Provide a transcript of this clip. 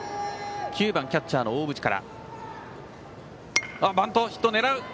９番キャッチャー大渕から。